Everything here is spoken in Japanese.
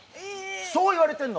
そういわれてるの！